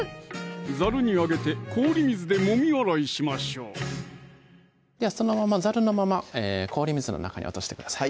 ざるにあげて氷水でもみ洗いしましょうではそのままざるのまま氷水の中に落としてください